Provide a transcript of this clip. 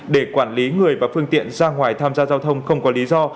để quản lý người và phương tiện ra ngoài tham gia giao thông không có lý do